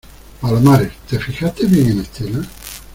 palomares, ¿ te fijaste bien en Estela?